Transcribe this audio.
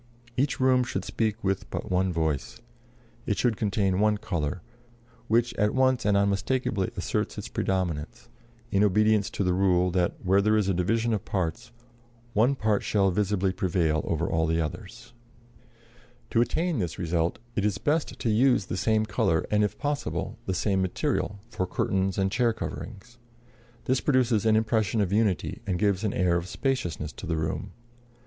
Each room should speak with but one voice: it should contain one color, which at once and unmistakably asserts its predominance, in obedience to the rule that where there is a division of parts one part shall visibly prevail over all the others. [Illustration: PLATE IX. FRENCH SOFA, LOUIS XV PERIOD. TAPESTRY DESIGNED BY BOUCHER.] To attain this result, it is best to use the same color and, if possible, the same material, for curtains and chair coverings. This produces an impression of unity and gives an air of spaciousness to the room.